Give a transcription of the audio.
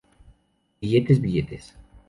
Billetes, billetes...